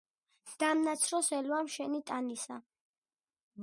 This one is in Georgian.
დამნაცროს ელვამ შენი ტანისა.